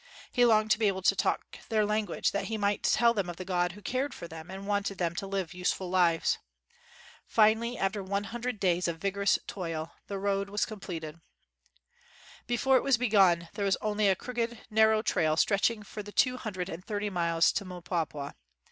He longed to be able to talk their language that he might tell them of the God who cared for them and wanted them to live useful lives. Finally, after one hun dred days of vigorous toil, the road was completed. Before it was begun there was only a crooked, narrow trail stretching for the two hundred and thirty miles to Mpwapwa.